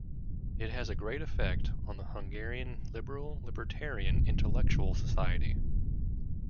It has a great effect on the Hungarian liberal-libertarian intellectual society.